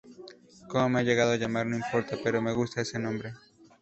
Como me haga llamar no importa, pero me gusta ese nombre.